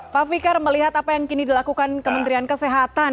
pak fikar melihat apa yang kini dilakukan kementerian kesehatan